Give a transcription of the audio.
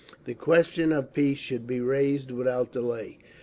The question of peace should be raised without delay….